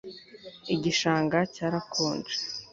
igishanga cyarakonje